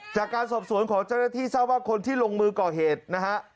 จากการสอบส่วนของเจ้าที่เจ้าบ้านคนที่ลงมือก่อเหตุนะ